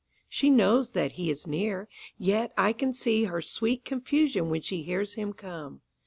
She knows that he is near, yet I can seeHer sweet confusion when she hears him come.